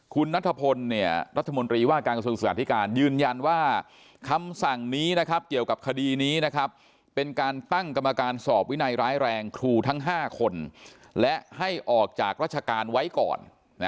คุณนัทพลรัฐมนตรีว่าการกระทรวงศึกษาธิการยืนยันว่าคำสั่งนี้นะครับเกี่ยวกับคดีนี้นะครับเป็นการตั้งกรรมการสอบวินัยร้ายแรงครูทั้ง๕คนและให้ออกจากราชการไว้ก่อน